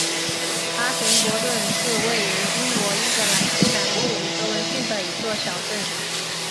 阿什伯顿是位于英国英格兰西南部德文郡的一座小镇。